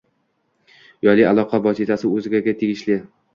Uyali aloqa vositasi o‘zgaga tegishli.